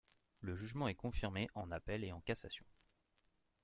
Le jugement est confirmé en appel et en cassation.